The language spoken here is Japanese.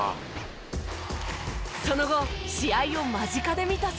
その後試合を間近で見た蒼太君。